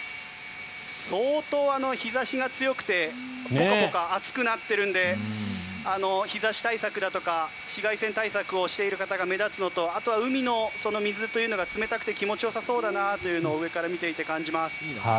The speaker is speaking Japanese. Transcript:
相当、日差しが強くてぽかぽか暑くなっているんで日差し対策だとか紫外線対策をしている方が目立つのとあとは海の水というのが冷たくて気持ちよさそうだなというのを上から見ていて感じます。